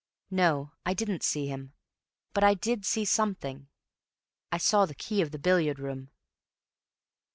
"No. I didn't see him. But I did see something. I saw the key of the billiard room."